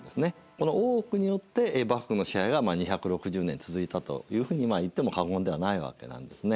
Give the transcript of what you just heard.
この大奥によって幕府の支配が２６０年続いたというふうに言っても過言ではないわけなんですね。